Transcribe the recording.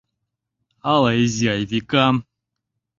Ала изи Айвикам.